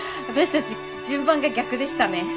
私たち順番が逆でしたね。